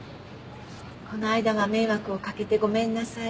この間は迷惑を掛けてごめんなさい。